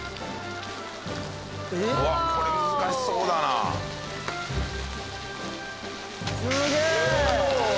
うわこれ難しそうだなワーオすげえ！